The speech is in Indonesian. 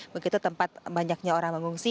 begitu tempat banyaknya orang mengungsi